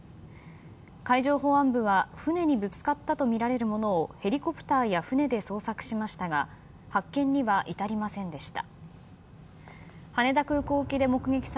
海上保安部は船にぶつかったとみられるものをヘリコプターや船で捜索しましたが発見には至りませんでした。